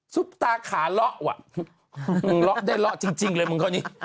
ซุปตาขาเลาะวะมึงเลาะได้เลาะจริงจริงเลยมึงเขานี้